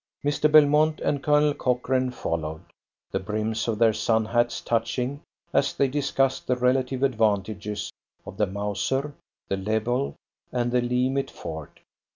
Mr. Belmont and Colonel Cochrane followed, the brims of their sun hats touching as they discussed the relative advantages of the Mauser, the Lebel, and the Lee Metford.